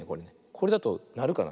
これだとなるかな。